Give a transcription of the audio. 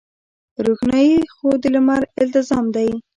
روښنايي خو د لمر التزام دی.